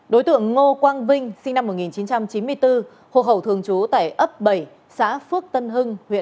đối tượng ngô quang vinh sinh năm một nghìn chín trăm chín mươi bốn hồ khẩu thường trú tại ấp bảy xã phước tây